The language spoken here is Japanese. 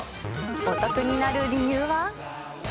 お得になる理由は？